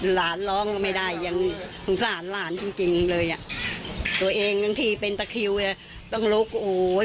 หลานร้องก็ไม่ได้ยังสงสารหลานจริงจริงเลยอ่ะตัวเองบางทีเป็นตะคิวอ่ะต้องลุกโอ้ย